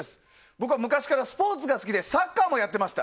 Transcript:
僕は昔からスポーツが好きでサッカーもやってました。